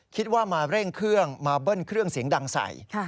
คิดว่ามาเร่งเครื่องมาเบิ้ลเครื่องเสียงดังใส่